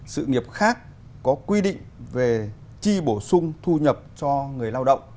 sự nghiệp khác có quy định về chi bổ sung thu nhập cho người lao động